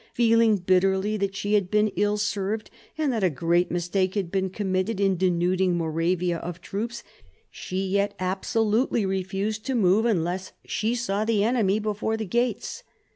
Feeling bitterly that she had been ill served, and that a great mistake had been com mitted in denuding Moravia of troops, she yet absolutely refused to move unless she saw the enemy before the gates.